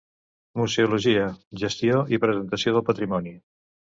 Museologia, gestió i presentació del patrimoni.